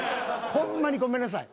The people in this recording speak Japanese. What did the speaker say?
ほんまにごめんなさい。